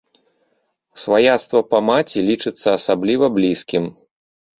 Сваяцтва па маці лічыцца асабліва блізкім.